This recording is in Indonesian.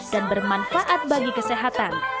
dan bermanfaat bagi kesehatan